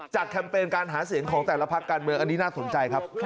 แคมเปญการหาเสียงของแต่ละพักการเมืองอันนี้น่าสนใจครับ